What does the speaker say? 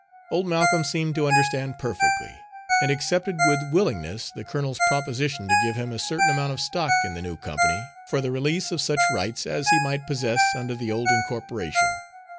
Old Malcolm seemed to understand perfectly, and accepted with willingness the colonel's proposition to give him a certain amount of stock in the new company for the release of such rights as he might possess under the old incorporation.